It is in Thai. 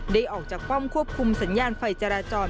ได้ออกจากป้อมควบคุมสัญญาณไฟจราจร